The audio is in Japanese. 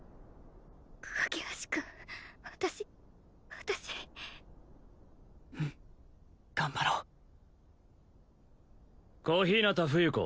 架橋君私私うん頑張ろう小日向冬子